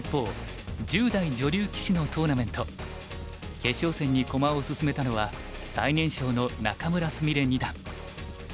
決勝戦に駒を進めたのは最年少の仲邑菫二段。